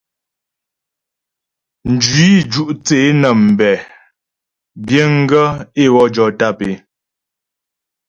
Mjwǐ ju' thə́ é nə́ mbɛ biəŋ gaə́ é wɔ jɔ tàp é.